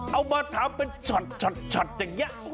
เอามาท้าวเป็นชอตแยะ